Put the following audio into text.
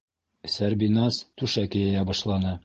Сәрбиназ түшәк йәйә башланы.